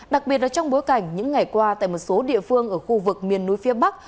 đặc biệt là trong bối cảnh những ngày qua tại một số địa phương ở khu vực miền núi phía bắc